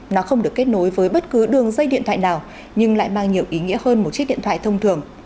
nó không được kết nối với bất cứ đường dây điện thoại nào nhưng lại mang nhiều ý nghĩa hơn một chiếc điện thoại thông thường